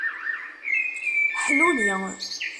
Ḥluli.